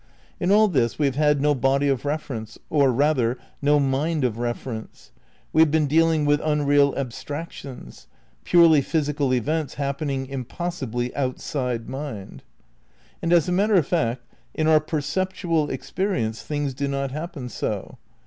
In all this we have had no body of reference, or rather, no mind of reference. We have been dealing with unreal abstractions, purely physical events hap pening impossibly "outside" mind. And as a matter of fact, in our perceptual experi ence things do not happen so.